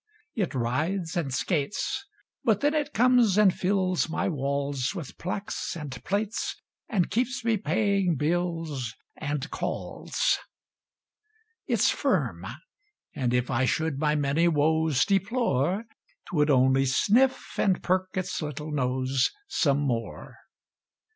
It rides and skates But then it comes and fills My walls With plaques and plates And keeps me paying bills And calls. It s firm; and if I should my many woes Deplore, Twould only sniff And perk its little nose Some more.